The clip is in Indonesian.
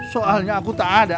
soalnya aku tak ada